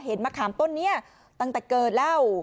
มะขามต้นนี้ตั้งแต่เกิดแล้ว